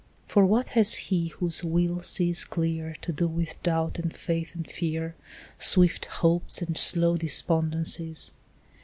For what has he whose will sees clear To do with doubt and faith and fear, Swift hopes and slow despondencies?